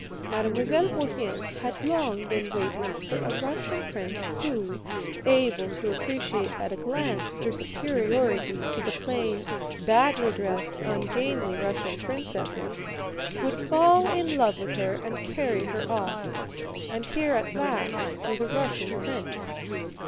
Mademoiselle Bourienne had long been waiting for a Russian prince who, able to appreciate at a glance her superiority to the plain, badly dressed, ungainly Russian princesses, would fall in love with her and carry her off; and here at last was a Russian prince.